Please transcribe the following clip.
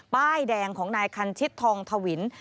ป้ายแดงของนายคันชิดทองทวิน